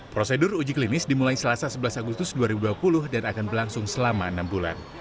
prosedur uji klinis dimulai selasa sebelas agustus dua ribu dua puluh dan akan berlangsung selama enam bulan